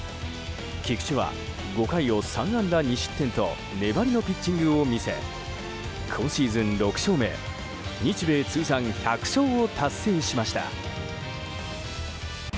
菊池は５回を３安打２失点と粘りのピッチングを見せ今シーズン６勝目日米通算１００勝を達成しました。